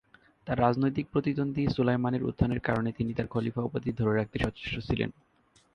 তার রাজনৈতিক প্রতিদ্বন্দ্বী সুলাইমানের উত্থানের কারণে তিনি তার খলিফা উপাধি ধরে রাখতে সচেষ্ট ছিলেন।